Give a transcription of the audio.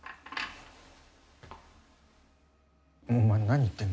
お前何言ってんだよ。